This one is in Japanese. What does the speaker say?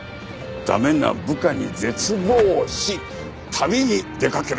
駄目な部下に絶望し旅に出かけるところだ。